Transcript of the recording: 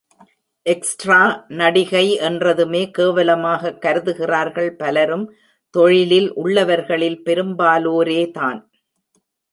Extra நடிகை என்றதுமே கேவலமாகக் கருதுகிறார்கள் பலரும் தொழிலில் உள்ளவர்களில் பெரும்பாலோரே தான்.